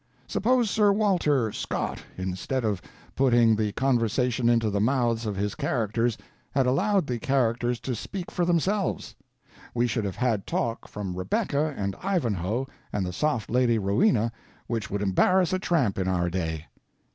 Suppose Sir Walter [Scott] instead of putting the conversation into the mouths of his characters, had allowed the characters to speak for themselves? We should have had talk from Rebecca and Ivanhoe and the soft lady Rowena which would embarrass a tramp in our day.